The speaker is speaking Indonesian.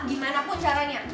gimana pun caranya